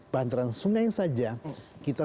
pantaran sungai saja kita